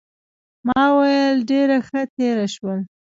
ما وویل ډېره ښه تېره شول.